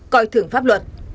coi thưởng pháp luật